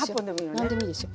何でもいいですよ。